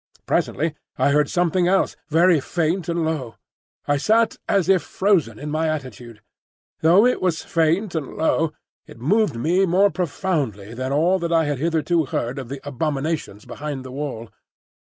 Presently I heard something else, very faint and low. I sat as if frozen in my attitude. Though it was faint and low, it moved me more profoundly than all that I had hitherto heard of the abominations behind the wall.